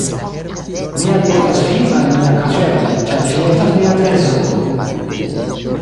"Mi alportas vin al mia kaverno, ĉar vi estas mia trezoro."